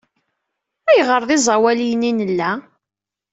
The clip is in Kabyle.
Ayɣer d iẓawaliyen i nella?